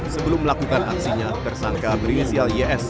sebelum melakukan aksinya tersangka berinisial ys